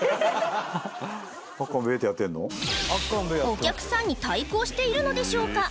お客さんに対抗しているのでしょうか